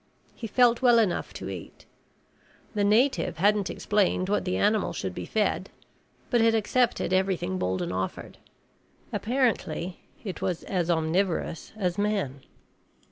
He felt well enough to eat. The native hadn't explained what the animal should be fed, but it accepted everything Bolden offered. Apparently it was as omnivorous as Man.